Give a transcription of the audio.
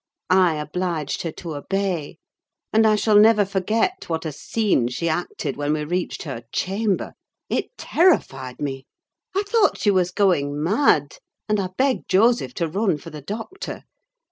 I obliged her to obey; and I shall never forget what a scene she acted when we reached her chamber: it terrified me. I thought she was going mad, and I begged Joseph to run for the doctor.